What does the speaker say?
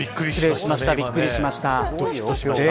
びっくりしましたね。